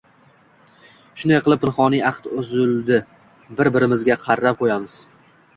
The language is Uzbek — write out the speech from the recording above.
Shunday qilib pinhoniy ahd tuzildi – bir-birimizga qarab-qarab qoʻyamiz.